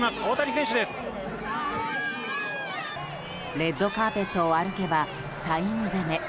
レッドカーペットを歩けばサイン攻め。